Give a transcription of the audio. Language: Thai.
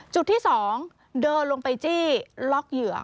จุดที่๒เดินลงไปจี้ล็อกเหยื่อ